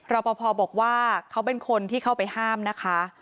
รอปภบอกว่าเขาเป็นคนที่เข้าไปห้ามนะคะ